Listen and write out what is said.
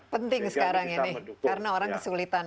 jadi sekarang ini karena orang kesulitan